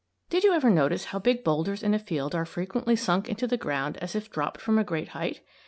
"] Did you ever notice how big boulders in a field are frequently sunk into the ground as if dropped from a great height?